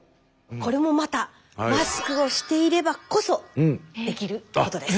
これもまたマスクをしていればこそできることです。